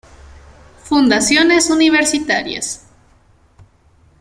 Fundaciones Universitarias.